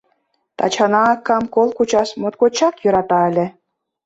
Тачана акам кол кучаш моткочак йӧрата ыле.